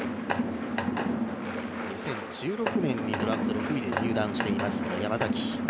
２０１６年にドラフト６位で入団しています山崎。